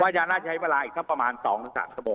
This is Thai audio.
ค่าว่าจะน่าใช้เวลาอีกเท่าประมาณ๒๓ชั่วโมงครับ